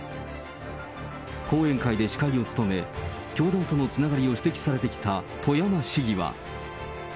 講演会で司会を務め、教団とのつながりを指摘されてきた富山市議は。